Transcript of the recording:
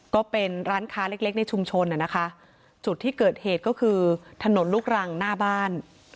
ก็เป็นร้านค้าเล็กเล็กในชุมชนนะคะจุดที่เกิดเหตุก็คือถนนลูกรังหน้าบ้าน